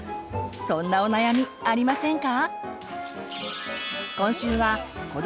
そんなお悩みありませんか？